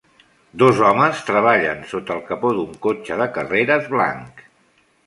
Dos homes treballen sota el capó d'un cotxe de carreres blanc.